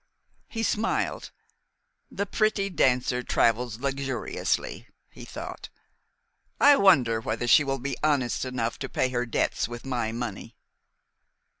He smiled. "The pretty dancer travels luxuriously," he thought. "I wonder whether she will be honest enough to pay her debts with my money?"